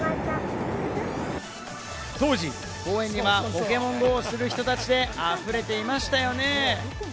当時、公園にはポケモンＧＯをする人たちであふれていましたよね。